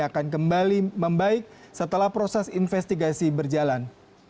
akan kembali membaik setelah proses investigasi berjalan